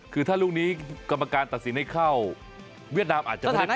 คือถ้าลูกนี้กรรมการตัดสินให้เข้าเวียดนามอาจจะไม่ได้ไป